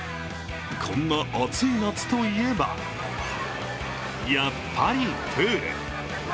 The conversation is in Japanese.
こんな暑い夏といえばやっぱりプール。